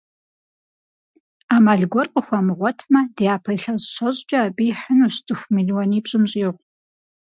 Ӏэмал гуэр къыхуамыгъуэтмэ, дяпэ илъэс щэщӀкӀэ абы ихьынущ цӏыху мелуанипщӀым щӀигъу.